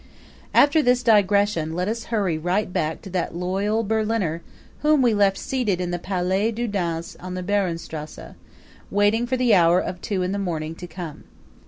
After this digression let us hurry right back to that loyal Berliner whom we left seated in the Palais du Danse on the Behrenstrasse, waiting for the hour of two in the morning to come.